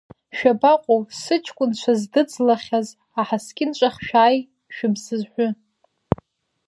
Шәабаҟоу сыҷкәынра здыӡлахьаз, аҳаскьын ҿахь шәааи, шәыбзаҳәы.